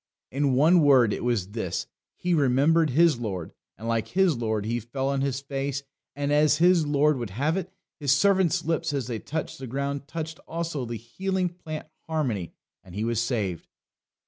In one word, it was this: he remembered his Lord; and, like his Lord, he fell on his face; and as his Lord would have it, His servant's lips as they touched the ground touched also the healing plant harmony and he was saved.